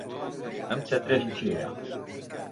ئەم چەترە هی کێیە؟